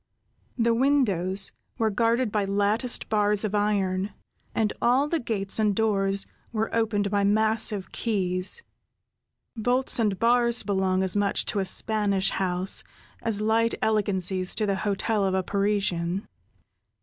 The windows were guarded by latticed bars of iron, and all the gates and doors were opened by massive keys. Bolts and bars belong as much to a Spanish house, as light elegancies to the hotel of a Parisian.